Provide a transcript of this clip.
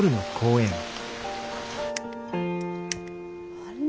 あれ？